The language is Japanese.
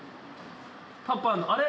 パパあれ？